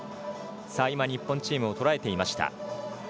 日本チームをとらえていました。